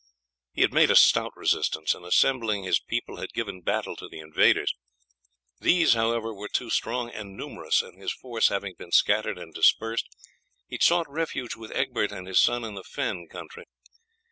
He had made a stout resistance, and assembling his people had given battle to the invaders. These, however, were too strong and numerous, and his force having been scattered and dispersed, he had sought refuge with Egbert and his son in the fen country.